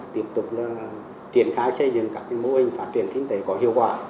tiếp tục triển khai xây dựng các mô hình phát triển kinh tế có hiệu quả